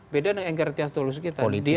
beda dengan enggar tias toluski tadi